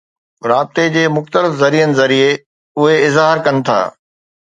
رابطي جي مختلف ذريعن ذريعي، اهي اظهار ڪن ٿا.